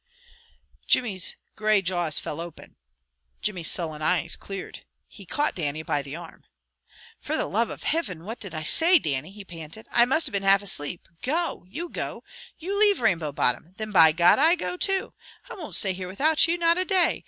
Jimmy's gray jaws fell open. Jimmy's sullen eyes cleared. He caught Dannie by the arm. "For the love of Hivin, what did I say, Dannie?" he panted. "I must have been half asleep. Go! You go! You leave Rainbow Bottom! Thin, by God, I go too! I won't stay here without you, not a day.